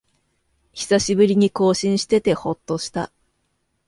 久しぶりに更新しててほっとした